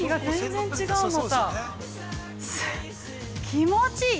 気持ちいい！